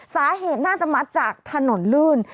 สาเหตุน่าจะมาจากถนนลื่น